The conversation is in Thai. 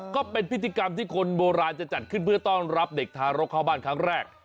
ก็เป็นพิธีกรรมที่คนโบราณจะจัดขึ้นเพื่อต้อนรับเด็กทารกเข้าบ้านครั้งแรก